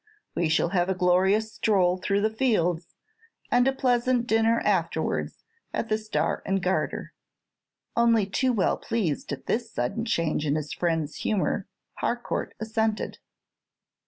We shall have a glorious stroll through the fields, and a pleasant dinner afterwards at the Star and Garter." Only too well pleased at this sudden change in his friend's humor, Harcourt assented.